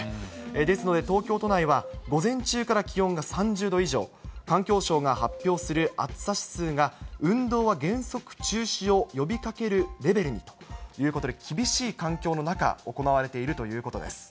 ですので、東京都内は午前中から気温が３０度以上、環境省が発表する暑さ指数が、運動は原則中止を呼びかけるレベルにということで、厳しい環境の中、行われているということです。